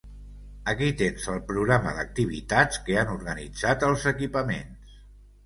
Aquí tens el programa d'activitats que han organitzat els equipaments.